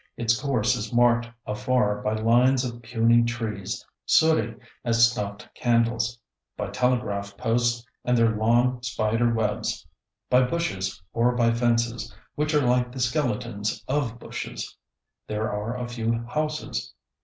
Its course is marked afar by lines of puny trees, sooty as snuffed candles; by telegraph posts and their long spider webs; by bushes or by fences, which are like the skeletons of bushes. There are a few houses.